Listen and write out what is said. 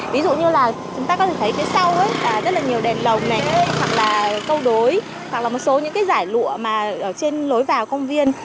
ví dụ như là chúng ta có thể thấy phía sau rất là nhiều đèn lồng này hoặc là câu đối hoặc là một số những cái giải lụa mà ở trên lối vào công viên